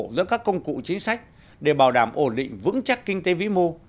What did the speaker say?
giữa các công cụ chính sách để bảo đảm ổn định vững chắc kinh tế vĩ mô